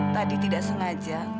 tadi tidak sengaja